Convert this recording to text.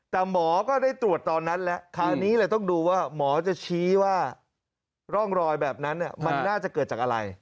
แต่หมอก็ได้ตรวจตอนนั้นแล้วคราวนี้เลยต้องดูว่าหมอจะชี้ว่าร่องรอยแบบนั้นมันน่าจะเกิดจากอะไร